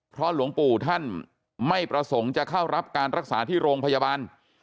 เพราะหลวงปู่ท่านไม่ประสงค์จะเข้ารับการรักษาที่โรงพยาบาล